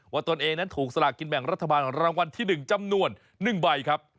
ตนเองนั้นถูกสลากินแบ่งรัฐบาลรางวัลที่๑จำนวน๑ใบครับ